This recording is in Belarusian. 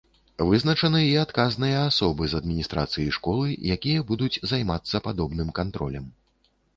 Вызначаны і адказныя асобы з адміністрацыі школы, якія будуць займацца падобным кантролем.